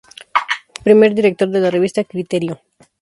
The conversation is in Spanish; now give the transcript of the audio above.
Primer director de la revista Criterio.